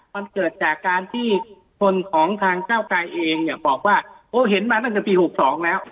มันเกิดจากการที่คนของทางก้าวไกรเองเนี่ยบอกว่าโอ้เห็นมาตั้งแต่ปี๖๒แล้ว